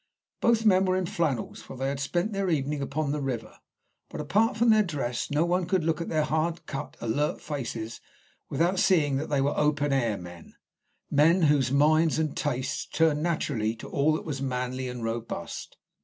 Both men were in flannels, for they had spent their evening upon the river, but apart from their dress no one could look at their hard cut, alert faces without seeing that they were open air men men whose minds and tastes turned naturally to all that was manly and robust.